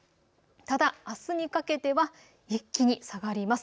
ただあすにかけては一気に下がります。